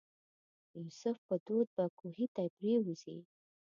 د یوسف په دود به کوهي ته پرېوځي.